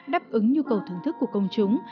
đáp ứng nhu cầu thưởng thức của công chúng